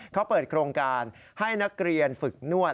เขาเปิดโครงการให้นักเรียนฝึกนวด